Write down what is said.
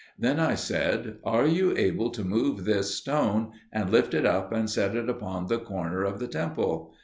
Then I said, "Are you able to move this stone, and lift it up and set it upon the corner of the temple?"